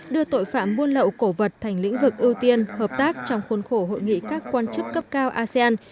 đưa tội phạm buôn lậu cổ vật thành lĩnh vực ưu tiên hợp tác trong khuôn khổ hội nghị các quan chức cấp cao asean